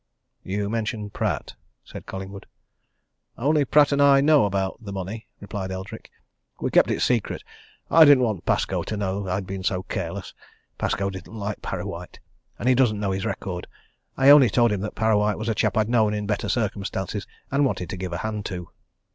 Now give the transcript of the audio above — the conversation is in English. "You mentioned Pratt," said Collingwood. "Only Pratt and I know about the money," replied Eldrick. "We kept it secret I didn't want Pascoe to know I'd been so careless. Pascoe didn't like Parrawhite and he doesn't know his record. I only told him that Parrawhite was a chap I'd known in better circumstances and wanted to give a hand to."